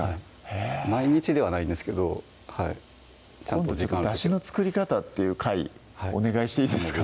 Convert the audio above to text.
毎日ではないんですけど今度だしの作り方っていう回お願いしていいですか？